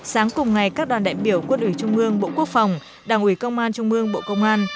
sáng cùng ngày các đoàn đại biểu quân ủy trung ương bộ quốc phòng đảng ủy công an trung ương bộ công an